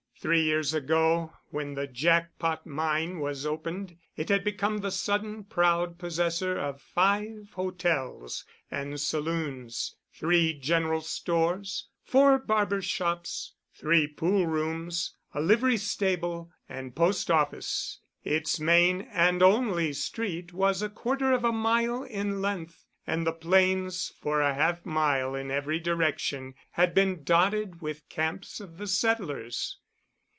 Three years ago, when the "Jack Pot" mine was opened, it had become the sudden proud possessor of five hotels (and saloons), three "general" stores, four barber shops, three pool rooms, a livery stable, and post office. Its main (and only) street was a quarter of a mile in length, and the plains for a half mile in every direction had been dotted with the camps of the settlers.